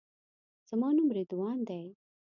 زما نوم رضوان دی.